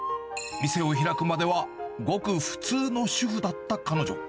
店を開くまでは、ごく普通の主婦だった彼女。